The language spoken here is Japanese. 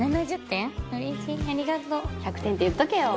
「“１００点”って言っとけよ」